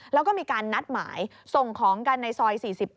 แล้วก็มีการนัดหมายส่งของกันในซอย๔๑